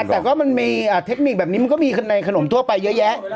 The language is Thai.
แต่ก็มันมีเทคนิคแบบนี้มันก็มีในขนมทั่วไปเยอะแยะ